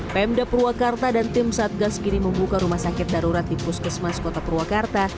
pmd purwakarta dan tim satgas kini membuka rumah sakit darurat di puskesmas kota purwakarta